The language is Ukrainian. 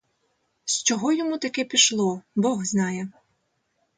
З чого йому таке пішло, бог знає.